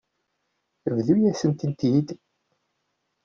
Bḍu-yasent-ten-id.